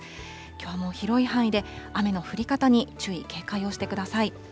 きょうも広い範囲で雨の降り方に注意、警戒をしてください。